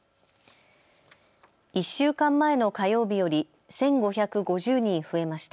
１週間前の火曜日より１５５０人増えました。